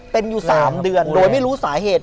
เป็นอยู่๓เดือนโดยไม่รู้สาเหตุ